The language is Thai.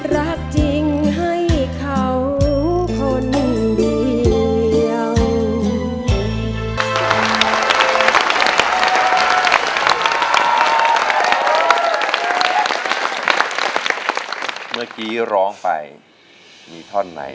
รักจริงให้ใครก็ได้